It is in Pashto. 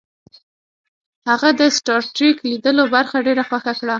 هغه د سټار ټریک لیدلو برخه ډیره خوښه کړه